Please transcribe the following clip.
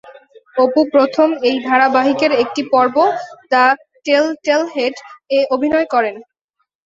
অপু প্রথম এই ধারাবাহিকের একটি পর্ব "দ্য টেলটেল হেড" এ অভিনয় করেন।